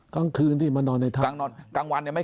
กลางวันไม่เข้าถ้ำ